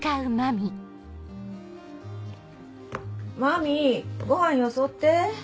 麻美ごはんよそって。